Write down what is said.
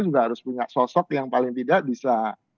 juga harus punya sosok yang paling tidak bisa